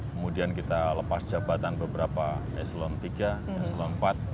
kemudian kita lepas jabatan beberapa eselon tiga eselon iv